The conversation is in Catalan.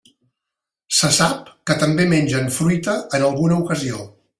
Se sap que també mengen fruita en alguna ocasió.